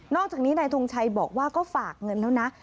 อกจากนี้นายทงชัยบอกว่าก็ฝากเงินแล้วนะ